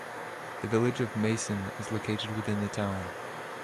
The Village of Mason is located within the town.